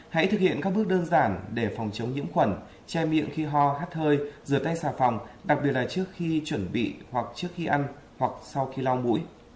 hãy thực hiện các bước đơn giản để phòng chống nhiễm khuẩn che miệng khi ho hát hơi rửa tay xà phòng đặc biệt là trước khi chuẩn bị hoặc trước khi ăn hoặc sau khi lau mũi